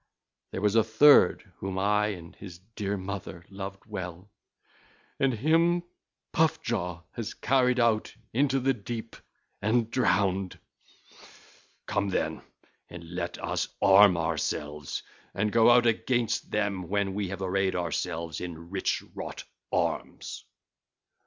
There was a third whom I and his dear mother loved well, and him Puff jaw has carried out into the deep and drowned. Come, then, and let us arm ourselves and go out against them when we have arrayed ourselves in rich wrought arms.' (ll.